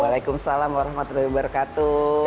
waalaikumsalam warahmatullahi wabarakatuh